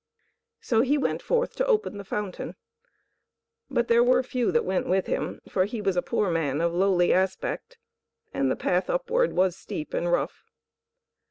"So he went forth to open the fountain; but there were few that went with him, for he was a poor man of lowly aspect, and the path upward was steep and rough.